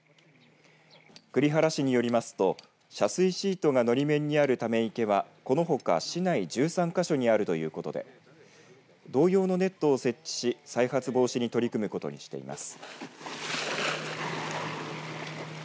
栗原市によりますと遮水シートがのり面にあるため池はこのほか、市内１３か所にあるということで同様のネットを設置し再発防止に取り組むことにしています。